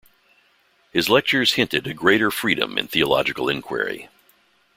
His lectures hinted a greater freedom in theological enquiry.